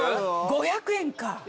５００円か。